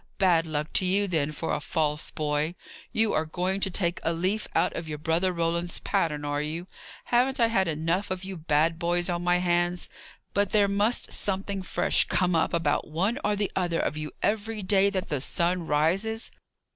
"Bad luck to you, then, for a false boy. You are going to take a leaf out of your brother Roland's pattern, are you? Haven't I had enough of you bad boys on my hands, but there must something fresh come up about one or the other of you every day that the sun rises?